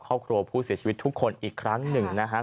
ครอบครัวผู้เสียชีวิตทุกคนอีกครั้งหนึ่งนะครับ